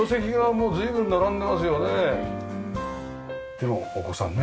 でもお子さんね